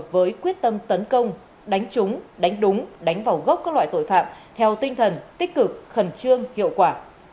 với quyết tâm tấn công đánh trúng đánh đúng đánh vào gốc các loại tội phạm theo tinh thần tích cực khẩn trương hiệu quả